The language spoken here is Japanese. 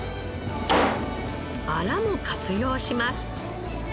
アラも活用します。